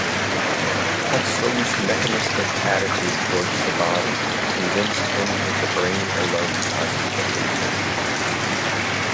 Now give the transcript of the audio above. Huxley's mechanistic attitude towards the body convinced him that the brain alone causes behavior.